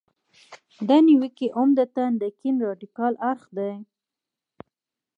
دا نیوکې عمدتاً د کیڼ رادیکال اړخ دي.